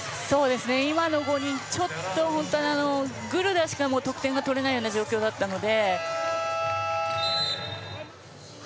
今の５人はグルダしか得点が取れないような状況だったので。